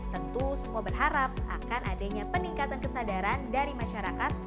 tentu semua berharap akan adanya peningkatan kesadaran dari masyarakat